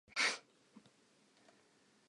Monnamoholo o bua a le mong mona.